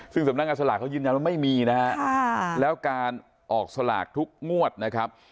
ซึ่งสำนักงานสลากเขายืนยันว่าไม่มีนะฮะแล้วการออกสลากทุกงวดนะครับ